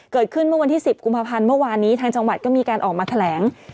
เกิดขึ้นเมื่อวันที่๑๐กุมภาพันธ์เมื่อวานนี้ทางจังหวัดก็มีการออกมาแถลง